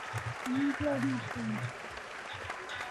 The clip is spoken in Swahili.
Kupe huchota vimelea vya ugonjwa wa ndigana kali